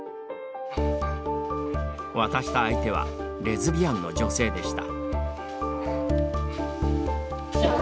渡した相手はレズビアンの女性でした。